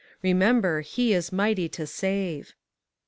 Remember he is 'mighty to save.'